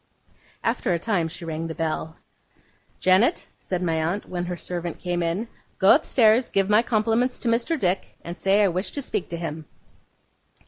After a time she rang the bell. 'Janet,' said my aunt, when her servant came in. 'Go upstairs, give my compliments to Mr. Dick, and say I wish to speak to him.